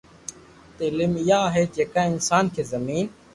تعليم اها آهي جيڪا اسان کي زمين